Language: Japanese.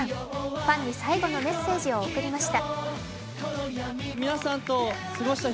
ファンに最後のメッセージを送りました。